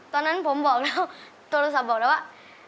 ตอนนั้นผมบอกแล้วโทรศัพท์บอกแล้วว่า